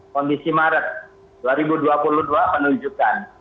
kondisi maret dua ribu dua puluh dua penunjukan